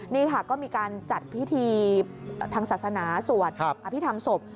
นี่ค่ะก็มีการจัดพิธีทางศาสนาสวดอภิษฐรรมศพ